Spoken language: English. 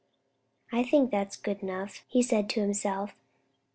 "I think that's good enough," he said to himself.